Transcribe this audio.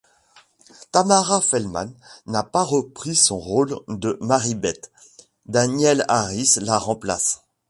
Tamara Feldman n'a pas repris son rôle de Marybeth, Danielle Harris la remplace.